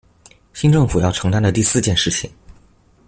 新政府要承擔的第四件事情